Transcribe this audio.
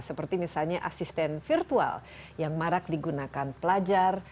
seperti misalnya asisten virtual yang marak digunakan pelajar